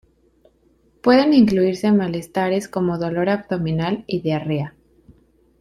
Pueden incluirse malestares como dolor abdominal y diarrea.